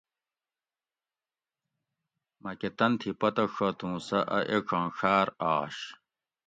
مکہ تن تھی پتہ ڛت اُوں سہ اۤ ایڄاں ڛاۤر آش